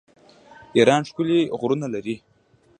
ایران ښکلي غرونه لري.